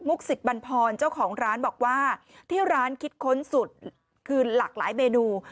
ศิษย์บันพรเจ้าของร้านบอกว่าที่ร้านคิดค้นสุดคือหลากหลายเมนู